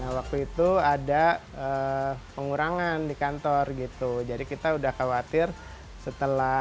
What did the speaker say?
waktu itu ada pengurangan di kantor gitu jadi kita udah khawatir setelah